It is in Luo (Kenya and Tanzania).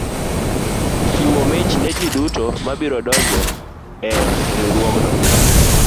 Chiwo mich ne ji duto ma biro donjo e riwruogno.